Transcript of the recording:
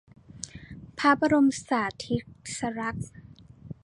พระบรมสาทิสลักษณ์